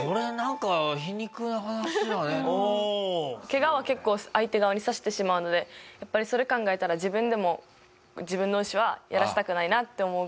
ケガは結構相手側にさせてしまうのでやっぱりそれ考えたら自分でも自分の牛はやらせたくないなって思うぐらいなので。